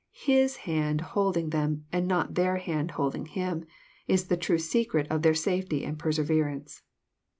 His hand holding them, and not their hand hold ing Him, is the true secret of tiieir safety and"perseverance.